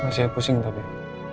masih aku singgah bayar